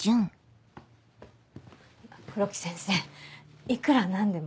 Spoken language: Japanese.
黒木先生いくら何でも。